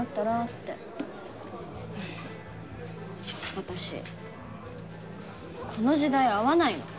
私この時代合わないの。